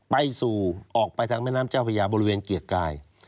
ไปสู่ออกไปทางแม่น้ำเจ้าพระยาบริเวณเกียรติกาย